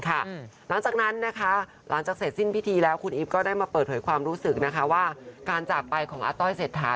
หลังจากนั้นนะคะหลังจากเสร็จสิ้นพิธีแล้วคุณอีฟก็ได้มาเปิดเผยความรู้สึกนะคะว่าการจากไปของอาต้อยเศรษฐา